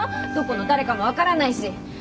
どこの誰かも分からないし。